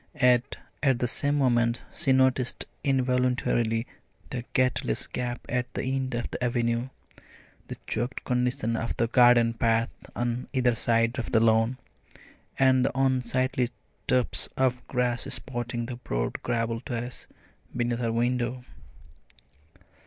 Yet at the same moment she noticed involuntarily the gateless gap at the end of the avenue, the choked condition of the garden paths on either side of the lawn, and the unsightly tufts of grass spotting the broad gravel terrace beneath her window.